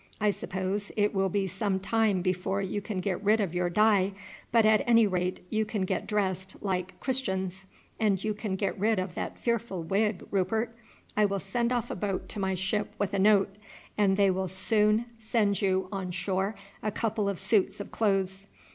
I suppose it will be some time before you can get rid of your dye, but at any rate you can get dressed like Christians; and you can get rid of that fearful wig, Rupert. I will send off a boat to my ship with a note, and they will soon send you on shore a couple of suits of clothes.